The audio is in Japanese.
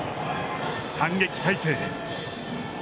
反撃態勢へ。